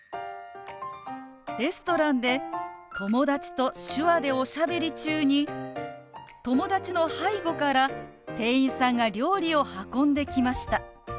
レストランで友達と手話でおしゃべり中に友達の背後から店員さんが料理を運んできました。